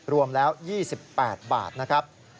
รวมแล้ว๒๘บาทนะครับ